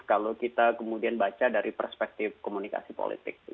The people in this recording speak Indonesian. kalau kita kemudian baca dari perspektif komunikasi politik